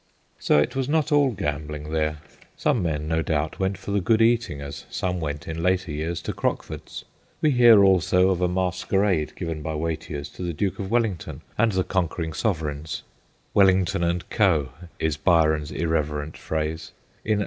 So it was not all gambling there ; some 52 THE GHOSTS OF PICCADILLY men, no doubt, went for the good eating as some went in later years to Crockford's. We hear also of a masquerade given by Watier's to the Duke of Wellington and the conquering sovereigns f Wellington and Co/ is Byron's irreverent phrase in 1814.